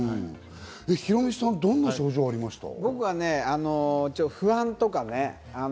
ヒロミさん、どんな症状がありました？